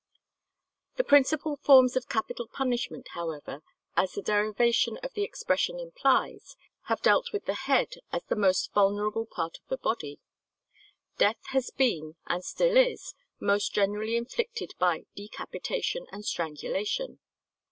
The principal forms of capital punishment, however, as the derivation of the expression implies, have dealt with the head as the most vulnerable part of the body. Death has been and still is most generally inflicted by decapitation and strangulation.